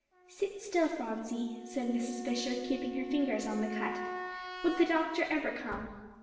"Sit still, Phronsie," said Mrs. Fisher, keeping her fingers on the cut. Would the doctor ever come?